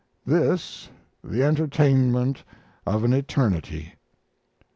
This the entertainment of an eternity.